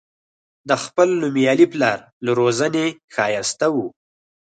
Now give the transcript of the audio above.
د خپل نومیالي پلار له روزنې ښایسته و.